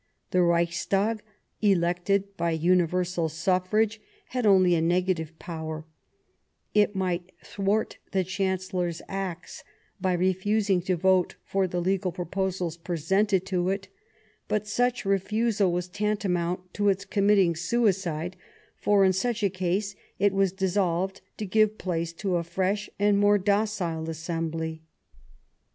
The Reichstag, elected by universal suffrage, had only a negative power ; it might thwart the Chan cellor's acts by refusing to vote for the legal pro posals presented to it ; but such refusal was tanta mount to its committing suicide, for, in such a case, it was dissolved to give place to a fresh and more docile assem.bly.